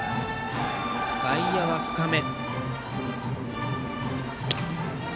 外野は深め。